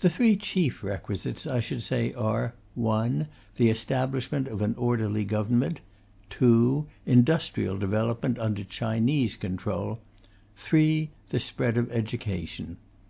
The three chief requisites, I should say, are: (1) The establishment of an orderly Government; (2) industrial development under Chinese control; (3) The spread of education.